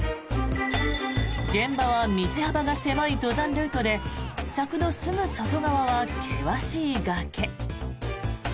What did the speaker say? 現場は道幅が狭い登山ルートで柵のすぐ外側は険しい崖。